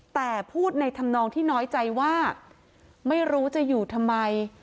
แต่พูดในธรรมนองที่น้อยใจว่าไม่รู้จะอยู่ทำไม